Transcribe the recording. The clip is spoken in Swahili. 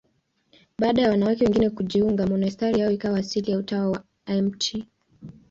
Baada ya wanawake wengine kujiunga, monasteri yao ikawa asili ya Utawa wa Mt.